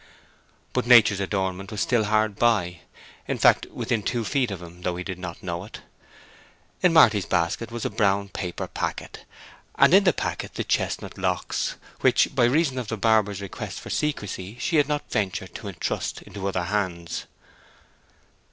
But nature's adornment was still hard by—in fact, within two feet of him, though he did not know it. In Marty's basket was a brown paper packet, and in the packet the chestnut locks, which, by reason of the barber's request for secrecy, she had not ventured to intrust to other hands.